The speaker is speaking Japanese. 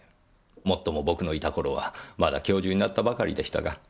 もっとも僕のいた頃はまだ教授になったばかりでしたが。